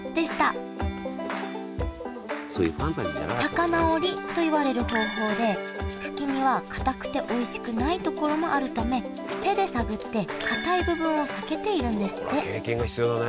高菜折りといわれる方法で茎にはかたくておいしくないところもあるため手で探ってかたい部分を避けているんですって経験が必要だね。